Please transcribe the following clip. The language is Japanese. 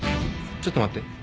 ちょっと待って。